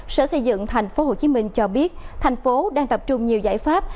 sở xây dựng tp hcm cho biết thành phố đang tập trung nhiều giải pháp